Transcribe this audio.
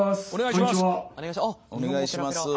こんにちは。